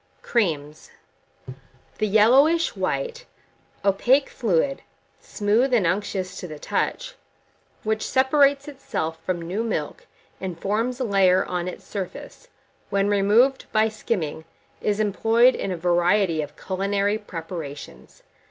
1385. CREAMS. The yellowish white, opaque fluid, smooth and unctuous to the touch, which separates itself from new milk, and forms a layer on its surface, when removed by skimming, is employed in a variety of culinary preparations.